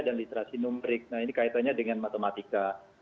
dan literasi numerik nah ini kaitannya dengan matematika